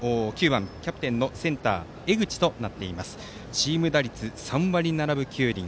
チーム打率３割７分９厘。